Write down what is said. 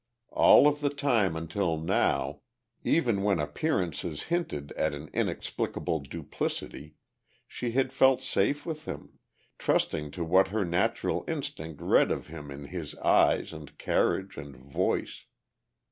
All of the time until now, even when appearances hinted at an inexplicable duplicity, she had felt safe with him, trusting to what her natural instinct read of him in his eyes and carriage and voice.